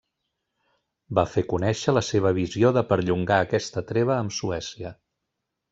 Va fer conèixer la seva visió de perllongar aquesta treva amb Suècia.